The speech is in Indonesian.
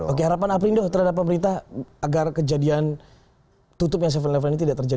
oke harapan apa ini terhadap pemerintah agar kejadian tutup yang tujuh sebelas ini tidak terjadi